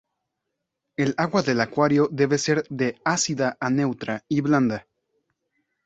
El agua del acuario debe ser de ácida a neutra y blanda.